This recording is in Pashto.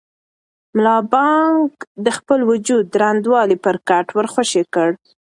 ملا بانګ د خپل وجود دروندوالی پر کټ ور خوشې کړ.